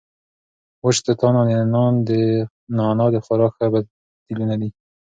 وچ توتان او نعناع د خوراک ښه بدیلونه دي.